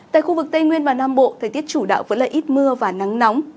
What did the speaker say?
tại khu vực tây nguyên và nam bộ thời tiết chủ đạo vẫn là ít mưa và nắng nóng